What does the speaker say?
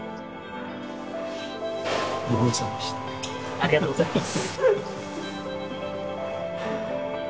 ありがとうございます。